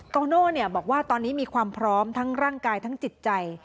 โตโน่บอกว่าตอนนี้มีความพร้อมทั้งร่างกายทั้งจิตใจ